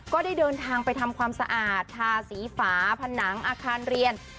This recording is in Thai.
ก็ได้เดินทางไปทำความสะอาดทาสีฝาผนังอาคารเรียน